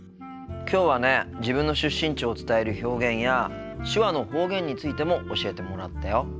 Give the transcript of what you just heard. きょうはね自分の出身地を伝える表現や手話の方言についても教えてもらったよ。